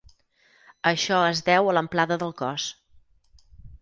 Això es deu a l'amplada del cos.